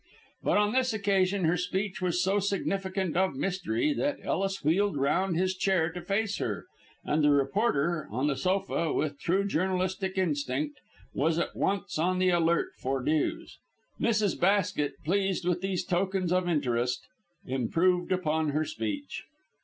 But on this occasion her speech was so significant of mystery that Ellis wheeled round his chair to face her, and the reporter on the sofa, with true journalistic instinct, was at once on the alert for news. Mrs. Basket, pleased with these tokens of interest, improved upon her speech.